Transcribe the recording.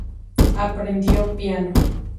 Aprendió Piano.